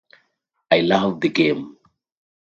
I love the game.